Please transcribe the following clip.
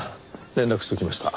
連絡しておきました。